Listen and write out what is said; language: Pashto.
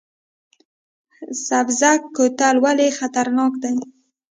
سبزک کوتل ولې خطرناک دی؟